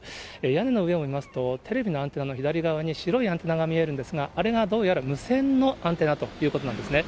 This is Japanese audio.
屋根の上を見ますと、テレビのアンテナの左側に白いアンテナが見えるんですが、あれがどうやら無線のアンテナということなんですね。